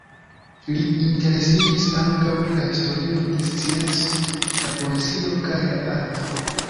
Li interesiĝis ankaŭ pri la historio de scienco, la poezio kaj la arto.